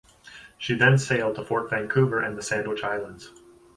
She then sailed to Fort Vancouver and the Sandwich Islands.